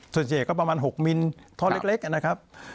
ส่วนที่เห็นก็ประมาณหกมิลท่อเล็กนะครับ